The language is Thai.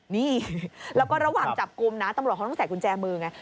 นี่แล้วก็ระหว่างจับกลุ่มนะตำรวจเขาต้องใส่กุญแจมือไง